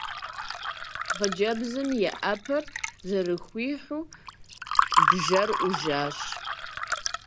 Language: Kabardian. Хъыджэбзым и Ӏэпэр зэрыхуихьу бжэр Ӏужащ.